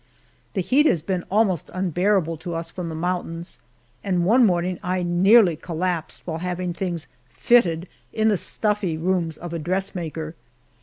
The heat has been almost unbearable to us from the mountains, and one morning I nearly collapsed while having things "fitted" in the stuffy rooms of a dressmaker.